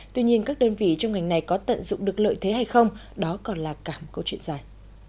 tuy nhiên các đơn vị trong ngành này có tận dụng được lợi thế hay không đó còn là cả một câu chuyện dài